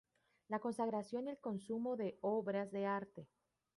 La consagración y el consumo de obras de arte.